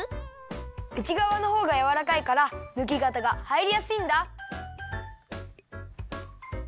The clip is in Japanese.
うちがわのほうがやわらかいからぬきがたがはいりやすいんだ。